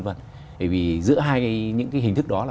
vâng bởi vì giữa hai những cái hình thức đó là